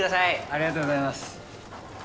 ありがとうございます。